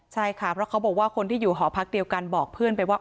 ใช่ค่ะเพราะเขาบอกว่าคนที่อยู่หอพักเดียวกันบอกเพื่อนไปว่า